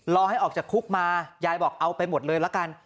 ให้ออกจากคุกมายายบอกเอาไปหมดเลยละกัน